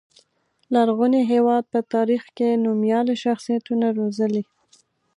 لرغوني هېواد په تاریخ کې نومیالي شخصیتونه روزلي.